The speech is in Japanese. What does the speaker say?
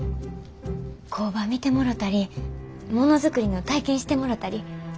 工場見てもろたりものづくりの体験してもろたり。